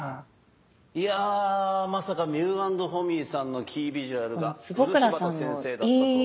いやまさかミュー＆ホミーさんのキービジュアルが漆畑先生だったとは驚きました。